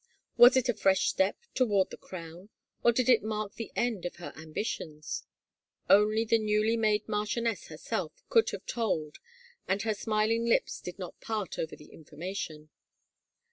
Was it a fresh step toward the crown — or did it mark the end of her ambitions ? Only the newly made marchioness herself could have told and her smiling lips did not part over the information.